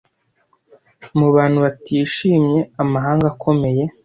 mu bantu batishimye amahanga akomeye